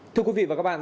thưa quý vị và các bạn